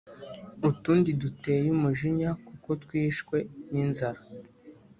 utundi duteye umujinya kuko twishwe ninzara